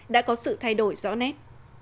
đã có sự thay đổi rõ nét